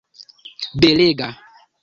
belega